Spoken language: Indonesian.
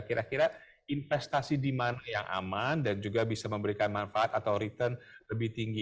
kira kira investasi di mana yang aman dan juga bisa memberikan manfaat atau return lebih tinggi